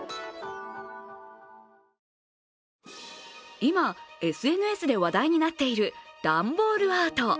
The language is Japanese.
今、ＳＮＳで話題になっている段ボールアート。